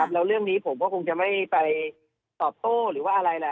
แล้วเรื่องนี้ผมก็ไม่ต้องไปต่อโต้หรือว่าอะไรล่ะ